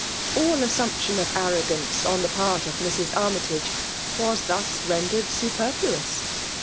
All assumption of arrogance on the part of Mrs. Armytage was thus rendered superfluous.